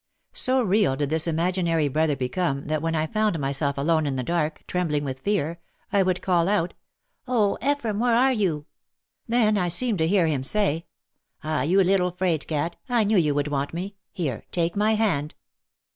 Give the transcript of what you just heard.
So real did this imaginary brother become that when I found myself alone in the dark, trembling with fear, I would call out, "Oh, Ephraim, where are you?" Then I seemed to hear him say, "Ah, you little 'fraidcat, I knew you would want me. Here, take my hand."